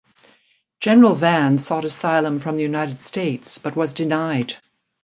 General Van sought asylum from the United States but was denied.